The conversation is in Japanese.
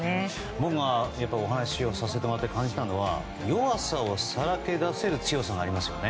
僕もお話しさせてもらって感じたのは弱さをさらけ出せる強さがありますよね。